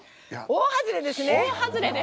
大外れですね！